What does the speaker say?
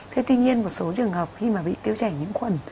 thế tuy nhiên một số trường hợp khi mà bị tiêu chảy nhiễm khuẩn